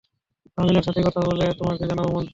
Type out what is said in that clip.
পামেলার সাথেই কথা বলে তোমাকে জানাব মন্টু!